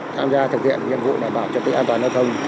tham gia thực hiện nhiệm vụ đảm bảo cho tựa an toàn giao thông